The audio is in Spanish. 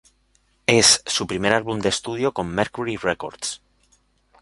Es su primer álbum de estudio con Mercury Records.